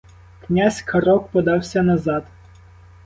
Князь крок подався назад.